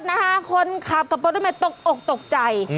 คนบนรถนะครับคนขับกระเป๋ารถแม่ตกออกตกใจ